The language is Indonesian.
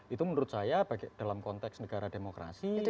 itu menurut saya dalam konteks negara demokrasi